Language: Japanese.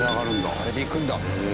あれで行くんだ。